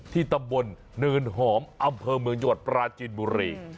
ที่ตะบลเนินหอมอำเภอเมืองหยดปราจินบุรี